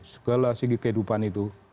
segala segi kehidupan itu